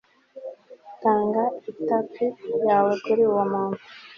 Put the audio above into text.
tanga itapi yawe kuri uwo muntu